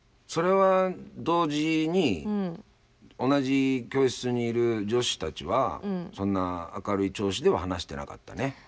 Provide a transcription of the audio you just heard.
それは同時に同じ教室にいる女子たちはそんな明るい調子では話してなかったね。